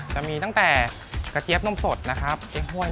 จะมีตั้งแต่กระเจี๊ยบนมสดนะครับเจ๊งห้วย